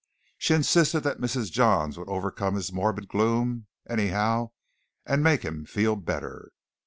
She insisted that Mrs. Johns would overcome his morbid gloom, anyhow, and make him feel better.